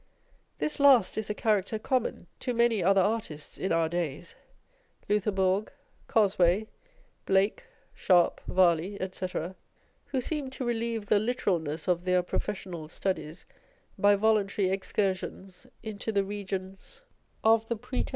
This last is a character common to many other artists in our days Loutherbourg, Cosway, Blake, Sharp, Varley, &c. â€" who seem to relieve the literalness of their prof ssional studies by voluntary excursions into the regions oi the preter 130 On the Old Age of Artists.